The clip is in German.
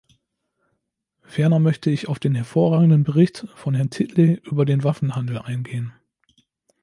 Ferner möchte ich auf den hervorragenden Bericht von Herrn Titley über den Waffenhandel eingehen.